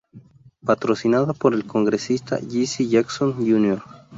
Patrocinado por el congresista Jesse Jackson, Jr.